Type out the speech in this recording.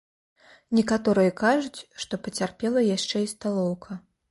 Некаторыя кажуць, што пацярпела яшчэ і сталоўка.